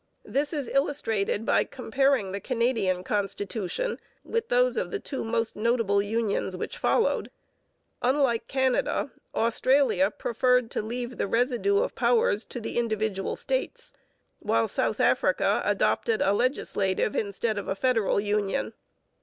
This is illustrated by comparing the Canadian constitution with those of the two most notable unions which followed. Unlike Canada, Australia preferred to leave the residue of powers to the individual states, while South Africa adopted a legislative instead of a federal union.